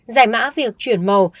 giải mã việc chuyển màu